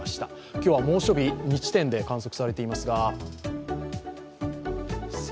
今日は猛暑日、２地点で観測されています。